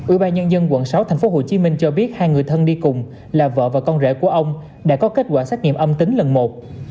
ủy ban nhân dân quận sáu tp hcm cho biết hai người thân đi cùng là vợ và con rể của ông đã có kết quả xét nghiệm âm tính lần một